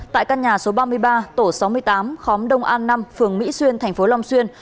tại căn nhà số ba mươi ba tổ sáu mươi tám khóm đông an năm phường mỹ xuyên thành phố long xuyên